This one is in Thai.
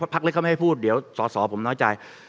พักเล็กเขาไม่ให้พูดเดี๋ยวสอสอผมน้อยใจ